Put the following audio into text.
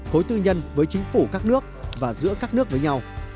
khối tư nhân với chính phủ các nước và giữa các nước với nhau